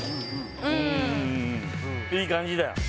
うんいい感じだよ